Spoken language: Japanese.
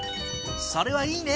それはいいね！